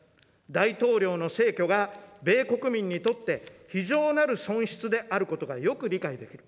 大統領の逝去が米国民にとって、非常なる損失であることがよく理解できる。